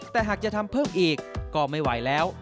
แต่หากจะทำเพิ่มอีกก็ไม่ไหวแล้ว